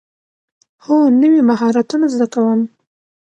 هو، نوی مهارتونه زده کوم